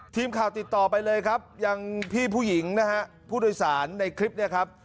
ทีมข่าวติดต่อไปเลยครับยังพี่ผู้หญิงนะฮะผู้โดยสารในคลิปเนี่ยครับ